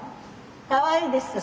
かわいいでしょ。